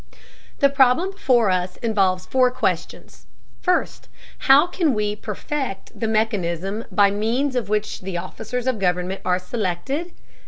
The problem before us involves four questions: First, how can we perfect the mechanism by means of which the officers of government are selected?